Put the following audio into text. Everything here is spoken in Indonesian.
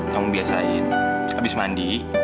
kamu biasain abis mandi